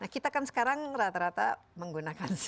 kita kan sekarang rata rata menggunakan